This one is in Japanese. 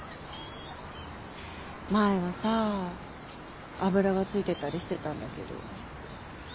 前はさ油がついてたりしてたんだけど。